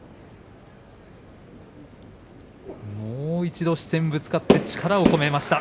もう一度視線がぶつかって力を込めました。